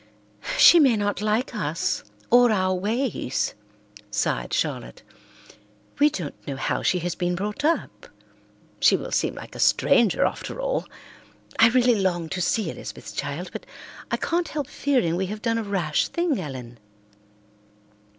"She may not like us, or our ways," sighed Charlotte. "We don't know how she has been brought up. She will seem like a stranger after all. I really long to see Elizabeth's child, but I can't help fearing we have done a rash thing, Ellen."